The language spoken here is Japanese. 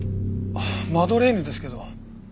マドレーヌですけど。